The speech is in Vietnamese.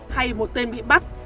hay một tên bị bắt